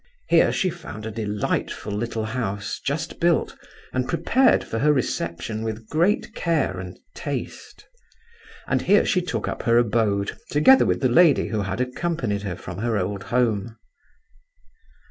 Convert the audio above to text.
Here she found a delightful little house, just built, and prepared for her reception with great care and taste; and here she took up her abode together with the lady who had accompanied her from her old home.